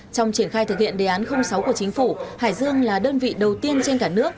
trong triển khai thực hiện đề án sáu của chính phủ hải dương là đơn vị đầu tiên trên cả nước